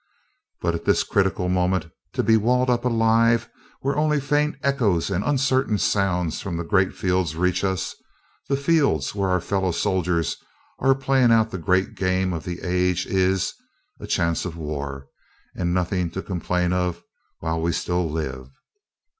But at this critical moment to be walled up alive, where only faint echoes and uncertain sounds from the great fields reach us, the fields where our fellow soldiers are playing out the great game of the age is, a chance of war, and nothing to complain of while we still live.